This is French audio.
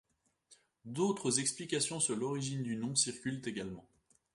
D'autres explications sur l'origine du nom circulent également.